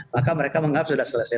maka mereka menganggap sudah selesai